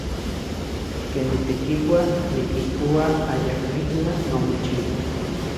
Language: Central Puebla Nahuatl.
Ken nitekiua, nikijtoa ayakmitlaj mamochiua.